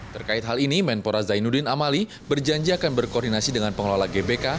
terkait hal ini menpora zainuddin amali berjanji akan berkoordinasi dengan pengelola gbk